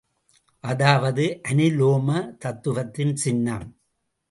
அதாவது, அனுலோம தத்துவத்தின் சின்னம்.